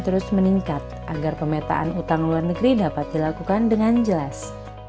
terus meningkat agar pemetaan utang luar negeri dapat dilakukan dengan jelas